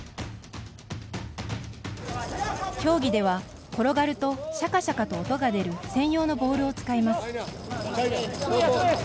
競技では、転がるとシャカシャカと音が出る専用のボールを使います。